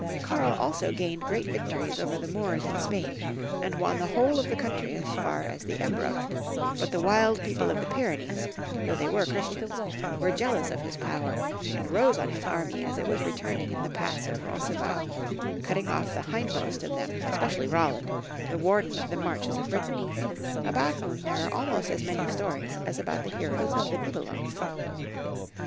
Karl also 66 Young Folks'^ HiBtory of Germany. gained great victories over the Moors in Spain, And won the whole of the country as far as the Ebro ; but the wild people of the Pyrenees, though they were Christians, were jealous of his power, and rose on his army as it was returning in the Pass of Roncesvalles, cutting off the hindmost of them especially Roland, the warden of the marches of Brittany, about whom there are almost as many stories as about the heroes of the Nibelung.